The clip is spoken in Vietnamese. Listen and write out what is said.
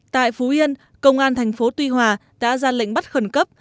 tại phú yên công an thành phố tuy hòa đã ra lệnh bắt khẩn cấp